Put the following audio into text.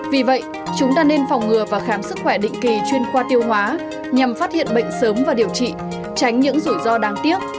vì vậy chúng ta nên phòng ngừa và khám sức khỏe định kỳ chuyên qua tiêu hóa nhằm phát hiện bệnh sớm và điều trị tránh những rủi ro đáng tiếc